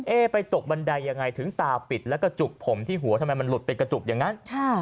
ไปตกบันไดยังไงถึงตาปิดแล้วก็จุกผมที่หัวทำไมมันหลุดเป็นกระจุกอย่างนั้น